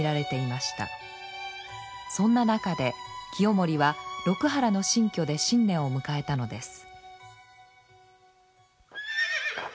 そんな中で清盛は六波羅の新居で新年を迎えたのです。